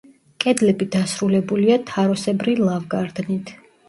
კედლები დასრულებულია თაროსებრი ლავგარდნით.